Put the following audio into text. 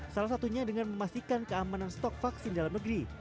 salah satunya dengan memastikan keamanan stok vaksin dalam negeri